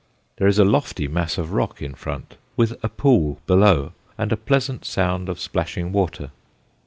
There is a lofty mass of rock in front, with a pool below, and a pleasant sound of splashing water.